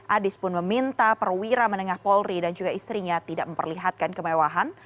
adis pun meminta perwira menengah polri dan juga istrinya tidak memperlihatkan kemewahan